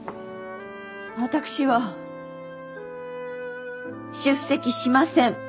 私は出席しません。